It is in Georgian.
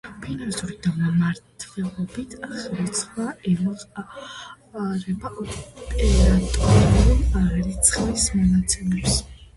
ფინანსური და მმართველობითი აღრიცხვა ემყარება ოპერატიულ აღრიცხვის მონაცემებს.